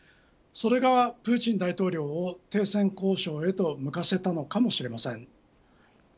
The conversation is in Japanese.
それがプーチン大統領を停戦交渉へと向かせたのかもしれません。